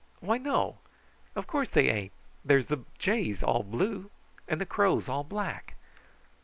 Why no! Of course, they ain't! There's the jays all blue, and the crows all black."